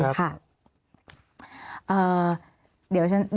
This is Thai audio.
มีความรู้สึกว่าเสียใจ